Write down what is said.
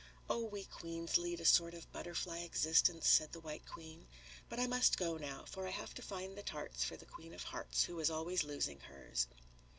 "Oh, we Queens lead a sort of butterfly existence," said the White Queen. "But I must go now, for I have to find the tarts for the Queen of Hearts who is always losing hers."